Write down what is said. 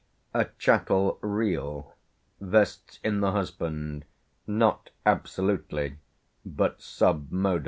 A chattel real vests in the husband, not absolutely, but sub modo.